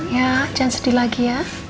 ya jangan sedih lagi ya